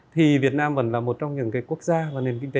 thì việt nam vẫn là một trong những cái quốc gia và nền kinh tế